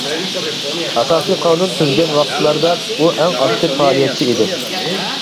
ئاساسى قانۇن تۈزگەن ۋاقىتلاردا، ئۇ ئەڭ ئاكتىپ پائالىيەتچى ئىدى.